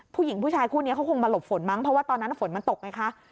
ผู้หญิงผู้ชายคู่นี้เขาคงมาหลบฝนมั้งเพราะว่าตอนนั้นฝนมันตกไงคะ